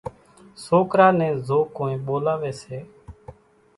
سوڪرا نين زو ڪونئين ٻولاوي سي